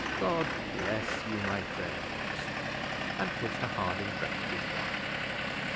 God bless you, my friends!" and Mr Harding drank his wine.